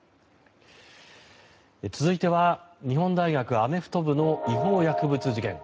続いては日本大学アメフト部の違法薬物事件。